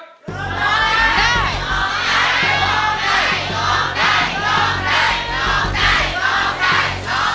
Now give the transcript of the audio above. ไม่ใช้